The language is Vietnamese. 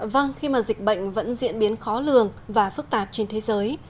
vâng khi mà dịch bệnh vẫn diễn biến khó lường và phức tạp trên thế giới